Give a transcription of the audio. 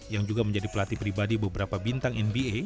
yang juga menjadi pelatih pribadi beberapa bintang nba